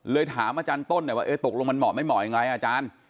ถามอาจารย์ต้นหน่อยว่าตกลงมันเหมาะไม่เหมาะอย่างไรอาจารย์